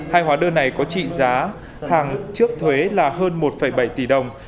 hai hóa đơn này có trị giá hàng trước thuế là hơn một bảy tỷ đồng